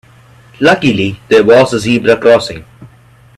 Luckily there was a zebra crossing.